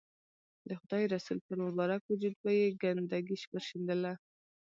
د خدای رسول پر مبارک وجود به یې ګندګي ورشیندله.